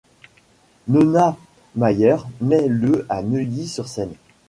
Nonna Mayer naît le à Neuilly-sur-Seine.